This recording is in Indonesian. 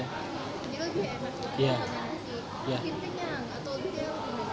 mie kenyang atau dia